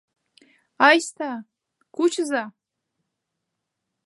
Айста, кучыза!